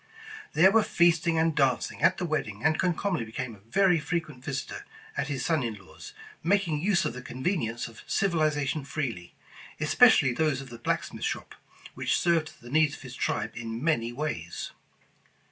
There were feasting and dancing at the wedding, and Comcomly became a very frequent visitor at his son in 213 The Original John Jacob Astor law's, making use of the conveniences of civilization freely, especially those of the blacksmith shop, which served the needs of his tribe in many ways.